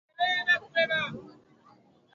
itabidi bwana abdalla aresign aa aondoke